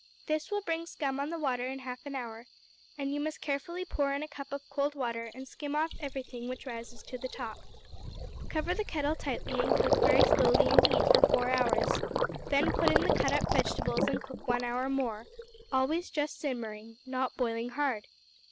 This will bring scum on the water in half an hour, and you must carefully pour in a cup of cold water and skim off everything which rises to the top. Cover the kettle tightly, and cook very slowly indeed for four hours; then put in the cut up vegetables and cook one hour more, always just simmering, not boiling hard.